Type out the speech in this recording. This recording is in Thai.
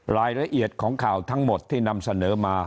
รายละเอียดของข่าวทั้งหมดที่นำเสนอมา